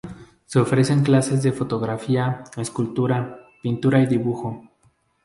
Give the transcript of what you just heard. Se ofrecen clases de fotografía, escultura, pintura y dibujo.